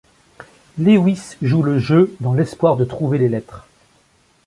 Lewis joue le jeu dans l'espoir de trouver les lettres.